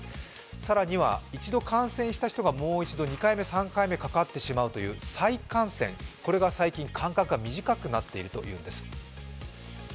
更には１度感染した人がもう一度、２回目３回目に感染してしまう再感染、これが最近、間隔が短くなっているというんです。